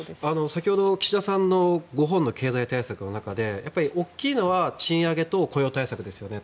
先ほど岸田さんの経済対策の中で大きいのは賃上げと雇用対策ですよね。